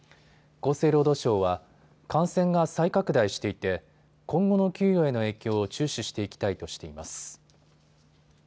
厚生労働省は感染が再拡大していて今後の給与への影響を注視していきたいとしています。